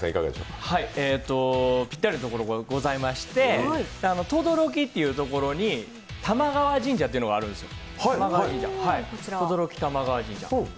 ぴったりのところございまして、等々力というところに玉川神社というのがあるんです等々力玉川神社。